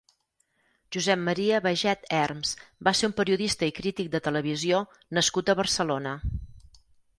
Josep Maria Baget Herms va ser un periodista i crític de televisió nascut a Barcelona.